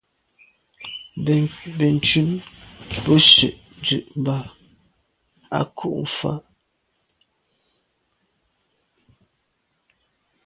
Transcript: Benntùn be se’ ndù ba’ à kù fa.